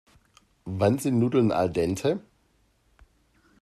Wann sind Nudeln al dente?